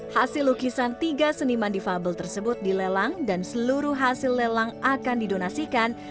hasil lukisan tiga seniman difabel tersebut dilelang dan seluruh hasil lelang akan didonasikan